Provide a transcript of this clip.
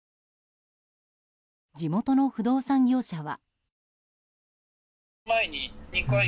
地元の不動産業者は。